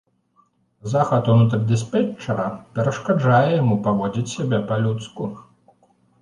Захад унутры дыспетчара перашкаджае яму паводзіць сябе па-людску.